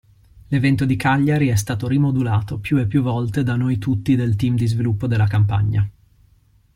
L'evento di Cagliari è stato rimodulato più e più volte da noi tutti del team di sviluppo della Campagna.